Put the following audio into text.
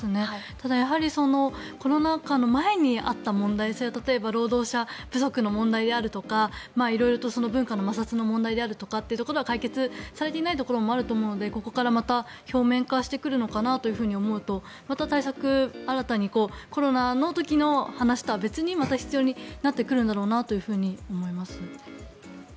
ただ、やはりコロナ禍の前にあった問題例えば労働者不足の問題であるとか色々と文化の摩擦の問題であるとかっていうところは解決されていないところもあると思うのでここからまた表面化してくるのかなと思うとまた対策新たにコロナの時の話とは別に必要になってくるだろうと思います。